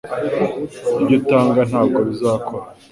Ibyo utanga ntabwo bizakora